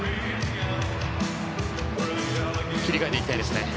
切り替えていきたいですね。